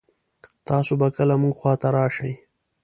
تاسو به کله مونږ خوا ته راشئ